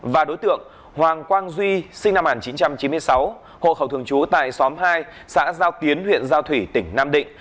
và đối tượng hoàng quang duy sinh năm một nghìn chín trăm chín mươi sáu hộ khẩu thường trú tại xóm hai xã giao tiến huyện giao thủy tỉnh nam định